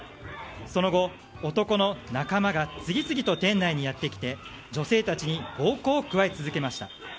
その後、男の仲間が次々と店内にやってきて女性たちに暴行を加え続けました。